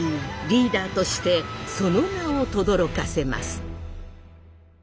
リーダーとしてその名をとどろかせます。